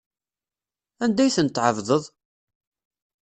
Anda ay tent-tɛebdeḍ?